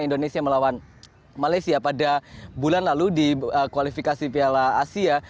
indonesia melawan malaysia pada bulan lalu di kualifikasi piala asia